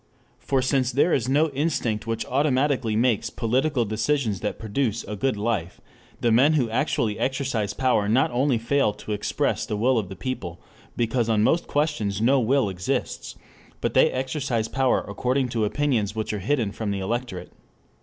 For since there is no instinct which automatically makes political decisions that produce a good life, the men who actually exercise power not only fail to express the will of the people, because on most questions no will exists, but they exercise power according to opinions which are hidden from the electorate.